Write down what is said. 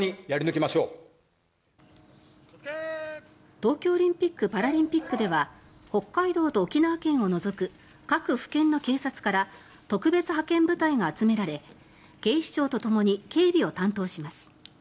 東京オリンピック・パラリンピックでは北海道と沖縄県を除く各府県の警察から特別派遣部隊が集められ警視庁とともに警備を担当します。